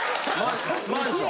マンション。